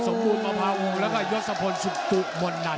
สมบูรณ์มภาวูแล้วก็ยศพลสุธุมนนั้น